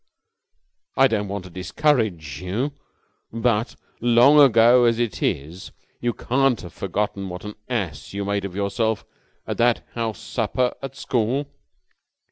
I don't want to discourage you, but, long ago as it is, you can't have forgotten what an ass you made of yourself at that house supper at school.